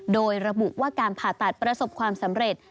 โดยระบุว่าการผ่าตัดประสบความสำเร็จ